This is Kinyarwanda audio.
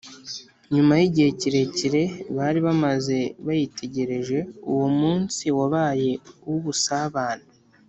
nyuma y’igihe kirekire bari bamaze bayitegereje. uwo munsi wabaye uw’ubusabane